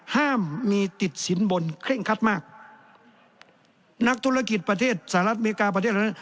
ห้ามมีติดสินบนเคร่งคัดมากนักธุรกิจประเทศสหรัฐอเมริกาประเทศนั้น